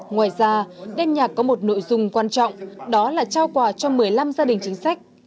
ngoài ra đêm nhạc có một nội dung quan trọng đó là trao quà cho một mươi năm gia đình chính sách